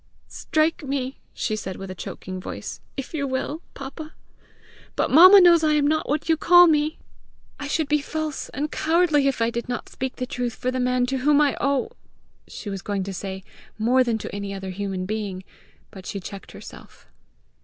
"Strike me," she said with a choking voice, "if you will, papa; but mamma knows I am not what you call me! I should be false and cowardly if I did not speak the truth for the man to whom I owe" she was going to say "more than to any other human being," but she checked herself.